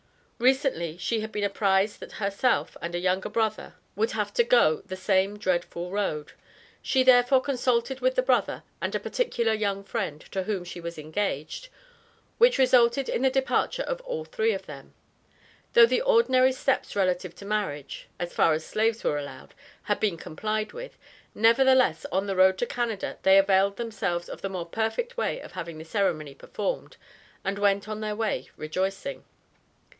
Recently she had been apprized that herself and a younger brother would have to go the same dreadful road. She therefore consulted with the brother and a particular young friend, to whom she was "engaged," which resulted in the departure of all three of them. Though the ordinary steps relative to marriage, as far as slaves were allowed, had been complied with, nevertheless on the road to Canada, they availed themselves of the more perfect way of having the ceremony performed, and went on their way rejoicing.